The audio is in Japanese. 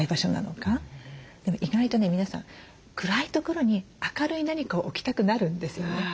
でも意外とね皆さん暗い所に明るい何かを置きたくなるんですよね。